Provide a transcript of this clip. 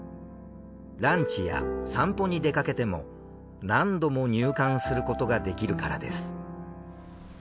ランチや散歩に出かけても何度も入館することができるからです。